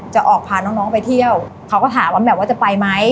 จะออกพาน้องไปเที่ยวเขาก็ถามว่าแหม่มว่าจะไปไหม